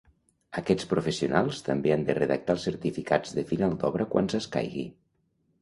Aquests professionals també han de redactar els certificats de final d'obra quan s'escaigui.